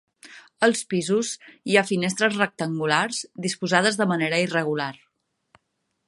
Als pisos hi ha finestres rectangulars, disposades de manera irregular.